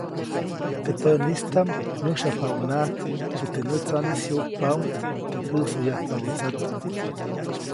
Teʼ pänistaʼm myujsyajpaʼuŋnaʼajk ke teʼ nätsaʼnis jyuʼkpaʼuŋ teʼ käʼsoyajpabä tsat.